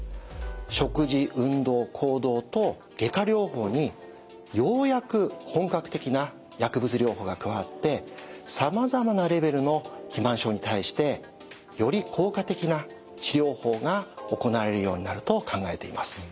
食事運動行動と外科療法にようやく本格的な薬物療法が加わってさまざまなレベルの肥満症に対してより効果的な治療法が行われるようになると考えています。